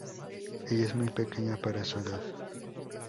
Ella es muy pequeña para su edad.